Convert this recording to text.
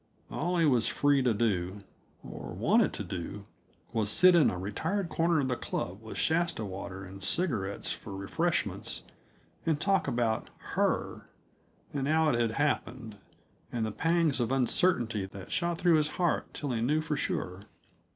All he was free to do or wanted to do was sit in a retired corner of the club with Shasta water and cigarettes for refreshments, and talk about Her, and how It had happened, and the pangs of uncertainty that shot through his heart till he knew for sure.